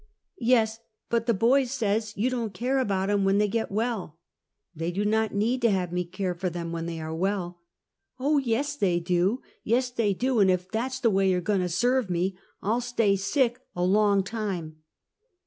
" Tes ! but the boys says you don't care about 'em when they get well." " They do not need to have me care for them when they are well." " Oh, yes, they do! yes, they do! an' if that's the way you're a goin' to serve me, I'll stay sick a long time."